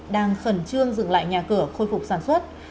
đang khẩn trương dừng lại nhà cửa khôi phục sản xuất